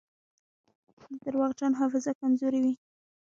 د درواغجن حافظه کمزورې وي.